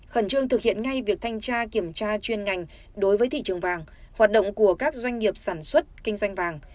khẩn trương thực hiện ngay việc thanh tra kiểm tra chuyên ngành đối với thị trường vàng hoạt động của các doanh nghiệp sản xuất kinh doanh vàng